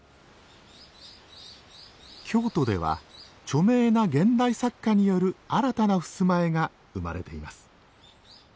京都では著名な現代作家による新たな襖絵が生まれています。